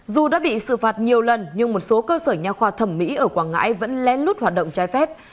dù đã bị xử phạt nhiều lần nhưng một số cơ sở nhà khoa thẩm mỹ ở quảng ngãi vẫn lén lút hoạt động trái phép